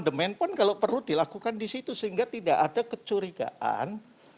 demand pun kalau perlu dilakukan di situ sehingga tidak ada kecurigaan